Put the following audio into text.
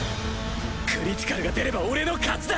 クリティカルが出れば俺の勝ちだ！